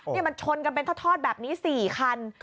นี่มันชนกันเป็นทอดแบบนี้๔คัน